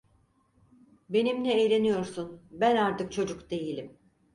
Benimle eğleniyorsun, ben artık çocuk değilim!